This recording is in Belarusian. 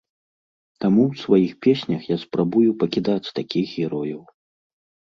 Таму ў сваіх песнях я спрабую пакідаць такіх герояў.